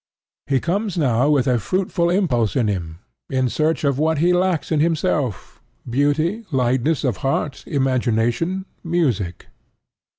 He comes now with a fruitful impulse in him, in search of what he lacks in himself, beauty, lightness of heart, imagination, music.